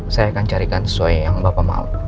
saya akan carikan sesuai yang bapak mau